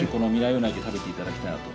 鰻を食べていただきたいなと。